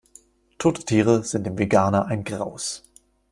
Tote Tiere sind dem Veganer ein Graus.